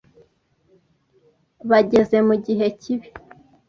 Bageze mugihe kibi.